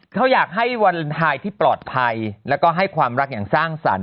เขาอยากให้วาเลนไทยที่ปลอดภัยแล้วก็ให้ความรักอย่างสร้างสรรค